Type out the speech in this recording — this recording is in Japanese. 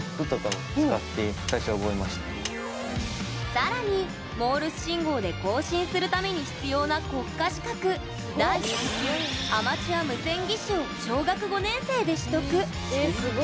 さらに、モールス信号で交信するために必要な国家資格第三級アマチュア無線技士を小学５年生で取得。